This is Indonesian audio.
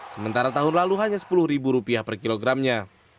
sementara tahun lalu hanya rp sepuluh per kilogramnya